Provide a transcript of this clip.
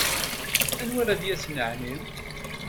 Anwa ara d-yasen, ɛni?